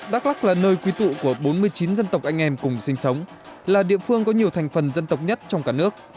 đắk lắc là nơi quy tụ của bốn mươi chín dân tộc anh em cùng sinh sống là địa phương có nhiều thành phần dân tộc nhất trong cả nước